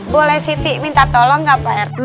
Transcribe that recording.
boleh siti minta tolong nggak pak rt